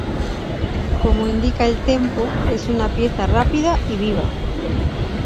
Como indica el "tempo", es una pieza rápida y viva.